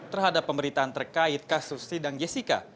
terhadap pemberitaan terkait kasus sidang jessica